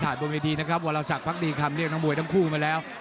สถานบนเวทีนะครับว่าเราสักพักดีคำนี้กับทั้งหมวยทั้งคู่มาแล้ว